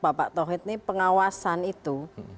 bapak tauhid ini pengawasan itu